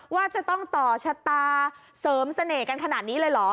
ว่าจะต้องต่อชะตาเสริมเสน่ห์กันขนาดนี้เลยเหรอ